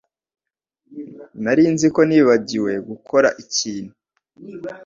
Nari nzi ko nibagiwe gukora ikintu.